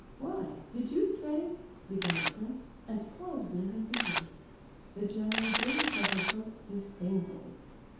'" "Why, did you say—" began the prince, and paused in confusion. The general gazed at his host disdainfully.